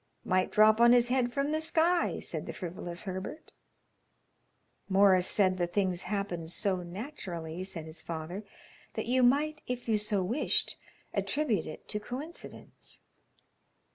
"Might drop on his head from the sky," said the frivolous Herbert. "Morris said the things happened so naturally," said his father, "that you might if you so wished attribute it to coincidence."